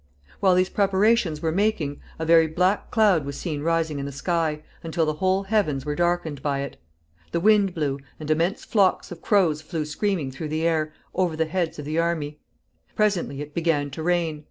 While these preparations were making, a very black cloud was seen rising in the sky, until the whole heavens were darkened by it. The wind blew, and immense flocks of crows flew screaming through the air, over the heads of the army. Presently it began to rain.